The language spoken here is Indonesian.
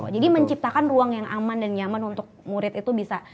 jadi menciptakan ruang yang aman dan nyaman untuk murid itu bisa